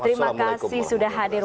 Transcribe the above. terima kasih sudah hadir